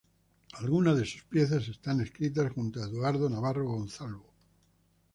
Algunas de sus piezas están escritas junto a Eduardo Navarro Gonzalvo.